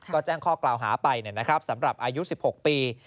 ก็แจ้งข้อกล่าวหาไปสำหรับอายุ๑๖ปี